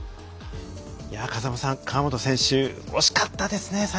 風間さん河本選手、惜しかったですね。